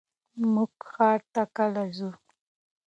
مونږ ښار ته کله ځو؟